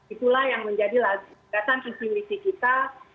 itulah yang menjadi latihan isi misi kita